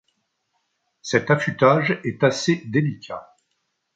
Cet affûtage est assez délicat.